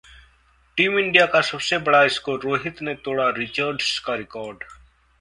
team India का सबसे बड़ा स्कोर, रोहित ने तोड़ा रिचर्ड्स का रिकॉर्ड